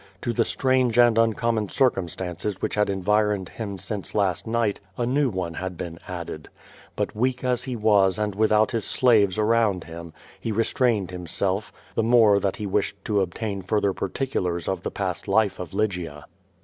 To the strange and uncommon circumstances which had environed him since last night a new one had been added. But weak as he was and without his slaves around him, he restrained himself, the more that he wished to obtain further particu lars of the past life of Lygia.